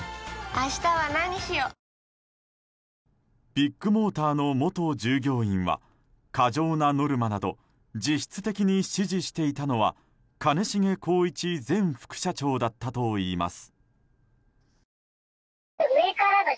ビッグモーターの元従業員は過剰なノルマなど実質的に指示していたのは兼重宏一前副社長だったといいます。